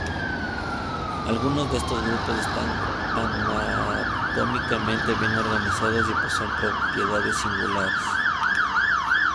Algunos de estos grupos están anatómicamente bien organizados y poseen propiedades singulares.